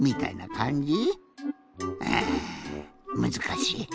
うんむずかしい。